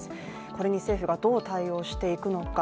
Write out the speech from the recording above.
これに政府がどう対応していくのか。